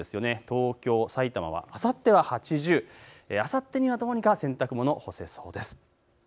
東京、さいたまはあさっては８０、あさっては洗濯物、干せそうです。